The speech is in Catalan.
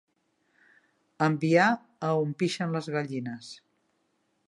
Enviar a on pixen les gallines.